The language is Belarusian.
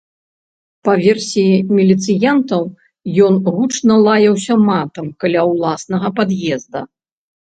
Па версіі міліцыянтаў, ён гучна лаяўся матам каля ўласнага пад'езда.